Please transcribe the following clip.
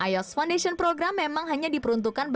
ios foundation program memang hanya diperuntukkan